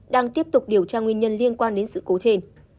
đang tiếp tục điều tra nguyên nhân liên quan đến sự cố trên